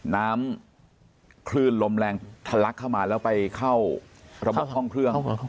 น้ำคลื่นลมแรงทะลักเข้ามาแล้วไปเข้าระบบห้องเครื่อง